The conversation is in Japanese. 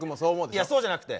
いやそうじゃなくて。